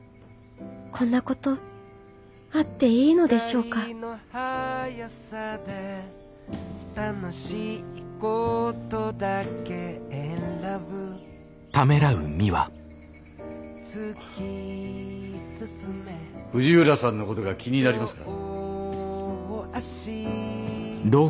こんなことあっていいのでしょうか藤浦さんのことが気になりますか？